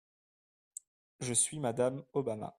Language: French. Je suis madame Obama.